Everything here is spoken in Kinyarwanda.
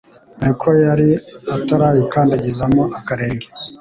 dore ko yari atarayikandagizamo akarenge